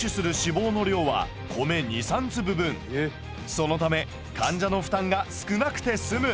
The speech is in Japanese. そのため患者の負担が少なくて済む。